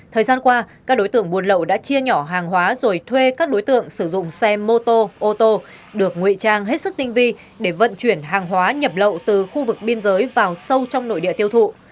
thời gian qua các đối tượng buôn lậu đã chia nhỏ hàng hóa rồi thuê các đối tượng sử dụng xe mô tô ô tô được nguy trang hết sức tinh vi để vận chuyển hàng hóa nhập lậu từ khu vực biên giới vào sâu trong nội địa tiêu thụ